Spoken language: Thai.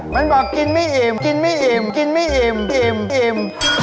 มันบอกกินไม่อิ่มกินไม่อิ่มกินไม่อิ่มอิ่ม